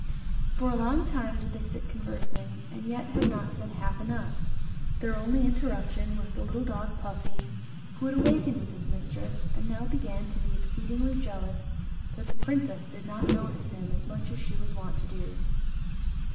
For a long time did they sit conversing, and yet had not said half enough. Their only interruption was the little dog Puffy, who had awakened with his mistress, and now began to be exceedingly jealous that the princess did not notice him as much as she was wont to do.